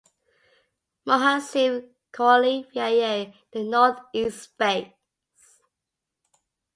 Mohan Singh Kohli via the Northeast Face.